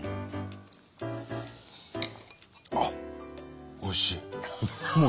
あっおいしい。